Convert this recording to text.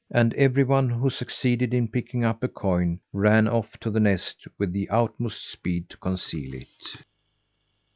And everyone who succeeded in picking up a coin ran off to the nest with the utmost speed to conceal it.